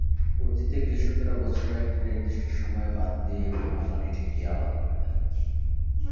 অতীতে কৃষকেরা বছরের একটি নির্দিষ্ট সময়ে বাঁধ দিয়ে লোনাপানি ঠেকিয়ে আবাদ করতেন।